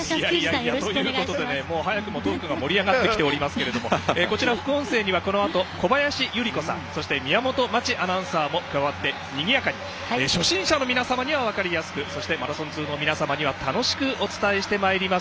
早くもトークが盛り上がってきていますがこちら、副音声にはこのあと小林祐梨子さんそして宮本真智アナウンサーも加わって、にぎやかに初心者の皆さんには分かりやすくそして、マラソン通の皆さんには楽しくお伝えしてまいります。